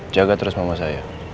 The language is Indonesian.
jaga terus mama saya